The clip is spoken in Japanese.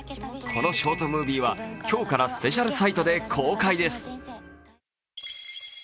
このショートムービーは今日からスペシャルサイトで公開です。